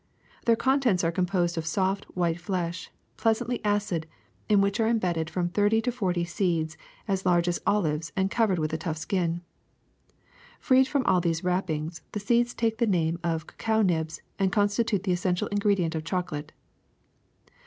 Their contents are composed of soft white flesh, pleasantly acid, in which are embedded from thirty to forty seeds as large as olives and covered with a tough skin. Freed from all these wrappings, the seeds take the name of cacao nibs and constitute the essential ingredient of chocolate.